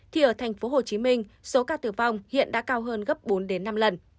thì ở tp hcm số ca tử vong hiện đã cao hơn gấp bốn đến năm lần